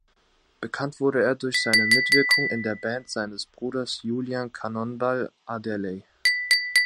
Bekannt wurde er durch seine Mitwirkung in der Band seines Bruders Julian „Cannonball“ Adderley.